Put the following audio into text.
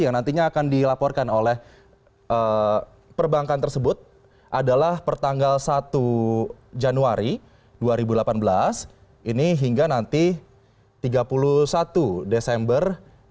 yang nantinya akan dilaporkan oleh perbankan tersebut adalah pertanggal satu januari dua ribu delapan belas ini hingga nanti tiga puluh satu desember dua ribu delapan belas